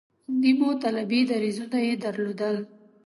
نیمو طالبي دریځونه یې درلودل.